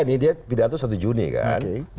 ini dia pidato satu juni kan